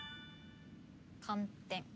寒天。